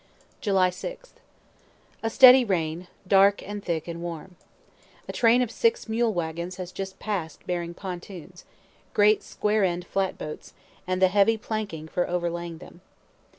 July 6th. A steady rain, dark and thick and warm. A train of six mule wagons has just pass'd bearing pontoons, great square end flatboats, and the heavy planking for overlaying them.